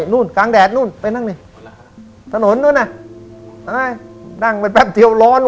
นู่นกลางแดดนู่นไปนั่งนี่ถนนนู้นน่ะอะไรนั่งไปแป๊บเดียวร้อนว